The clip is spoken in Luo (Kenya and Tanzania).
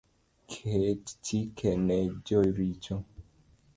Ket chike ne jochiro